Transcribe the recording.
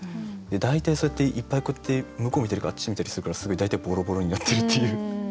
大体そうやっていっぱいこうやって向こう向いてるかあっち向いてたりするからすごい大体ぼろぼろになってるっていう。